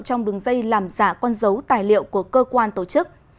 trong đường dây làm giả con dấu tài liệu của cơ quan tổ chức